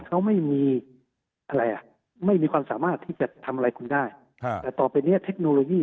เขาไม่มีอะไรอ่ะไม่มีความสามารถที่จะทำอะไรคุณได้แต่ต่อไปเนี้ยเทคโนโลยี